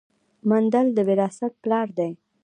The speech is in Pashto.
مندل د وراثت پلار دی